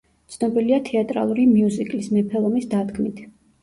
ცნობილია თეატრალური მიუზიკლის, „მეფე ლომის“ დადგმით.